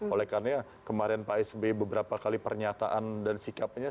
oleh karena kemarin pak sby beberapa kali pernyataan dan sikapnya